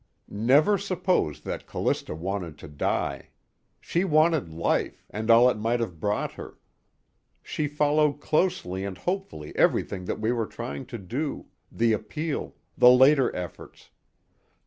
Never suppose that Callista wanted to die. She wanted life, and all it might have brought her. She followed closely and hopefully everything that we were trying to do, the appeal, the later efforts.